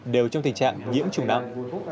đều trong tình trạng nhiễm chủng năng